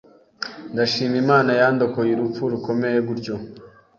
Ndashima Imana yandokoye urupfu rukomeye gutyo